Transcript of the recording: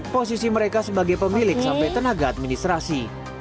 posisi mereka sebagai pemilik sampai tenaga administrasi